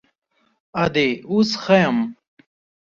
_ادې، اوس ښه يم.